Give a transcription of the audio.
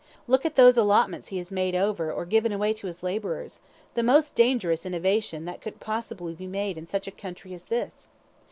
Look at those allotments he has made over or given away to his labourers the most dangerous innovation that could possibly be made in such a country as this.